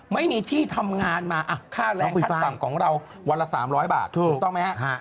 ไม่มีที่ทำงานมาค่าแรงขั้นต่ำของเราวันละ๓๐๐บาทถูกต้องไหมฮะ